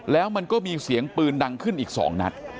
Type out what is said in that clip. แล้วมันก็มีเสียงปืนดังขึ้นอีก๒นัด